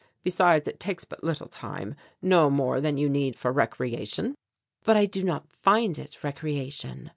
Besides it takes but little time. No more than you need for recreation." "But I do not find it recreation.